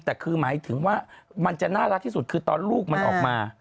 แต่คือหมายถึงว่ามันจะน่ารักที่สุดคือตอนลูกมันออกมา